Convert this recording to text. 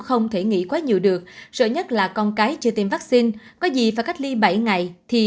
không thể nghỉ quá nhiều được rợi nhất là con cái chưa tìm vắc xin có gì phải cách ly bảy ngày thì